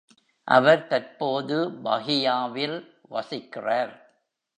அவர் தற்போது Bahia-வில் வசிக்கிறார்.